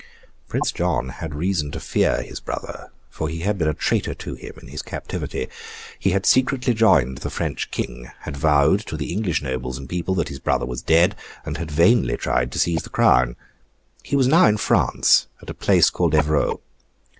Prince John had reason to fear his brother, for he had been a traitor to him in his captivity. He had secretly joined the French King; had vowed to the English nobles and people that his brother was dead; and had vainly tried to seize the crown. He was now in France, at a place called Evreux.